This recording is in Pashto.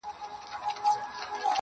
زما پښتون زما ښايسته اولس ته.